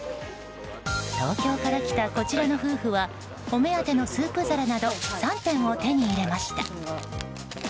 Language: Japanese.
東京から来たこちらの夫婦はお目当てのスープ皿など３点を手に入れました。